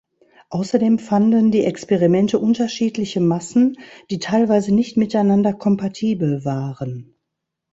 Außerdem fanden die Experimente unterschiedliche Massen, die teilweise nicht miteinander kompatibel waren.